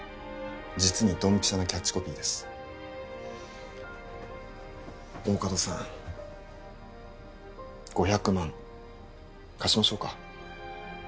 実にドンピシャなキャッチコピーです大加戸さん５００万貸しましょうか？